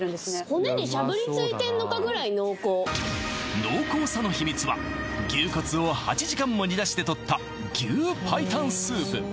骨にしゃぶりついてんのかぐらい濃厚濃厚さの秘密は牛骨を８時間も煮出してとった牛白湯スープ